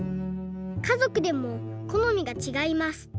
かぞくでもこのみがちがいます。